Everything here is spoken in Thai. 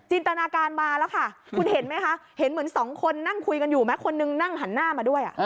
ตนาการมาแล้วค่ะคุณเห็นไหมคะเห็นเหมือนสองคนนั่งคุยกันอยู่ไหมคนนึงนั่งหันหน้ามาด้วย